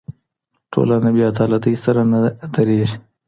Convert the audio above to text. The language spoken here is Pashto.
ټولنه بې عدالتۍ سره نه درېږي.